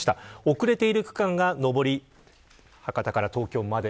遅れている区間が上り博多から東京まで。